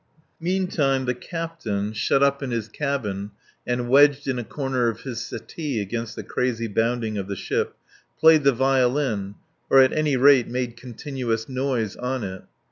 Meantime the captain, shut up in his cabin and wedged in a corner of his settee against the crazy bounding of the ship, played the violin or, at any rate, made continuous noise on it.